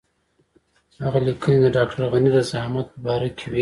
هغه لیکنې د ډاکټر غني د زعامت په باره کې وې.